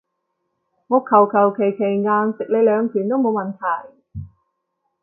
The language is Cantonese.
我求求其其硬食你兩拳都冇問題